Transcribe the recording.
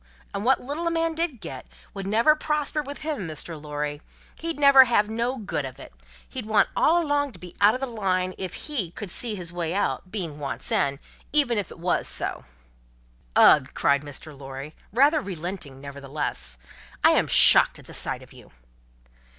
And wot little a man did get, would never prosper with him, Mr. Lorry. He'd never have no good of it; he'd want all along to be out of the line, if he, could see his way out, being once in even if it wos so." "Ugh!" cried Mr. Lorry, rather relenting, nevertheless, "I am shocked at the sight of you."